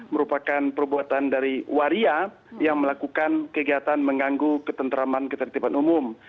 merupakan perbuatan dari waria yang melakukan kegiatan mengganggu ketentraman ketertiban umum